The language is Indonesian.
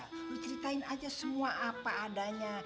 lu ceritain aja semua apa adanya